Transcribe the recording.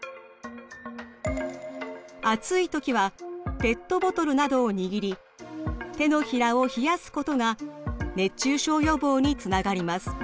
暑い時はペットボトルなどを握り手のひらを冷やすことが熱中症予防につながります。